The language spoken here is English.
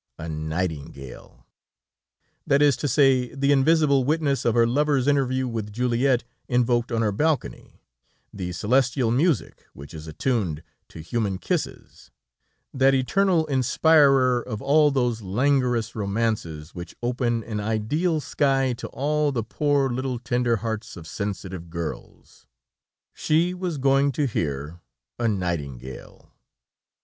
A nightingale! That is to say, the invisible witness of her lovers' interview which Juliette invoked on her balcony; the celestial music, which is attuned to human kisses, that eternal inspirer of all those languorous romances which open an ideal sky to all the poor little tender hearts of sensitive girls! [Footnote 14: Romeo and Juliet, Act III, Scene V.] She was going to hear a nightingale.